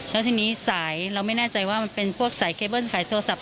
แล้วทีนี้สายเราไม่แน่ใจว่ามันเป็นพวกสายเคเบิ้ลสายโทรศัพท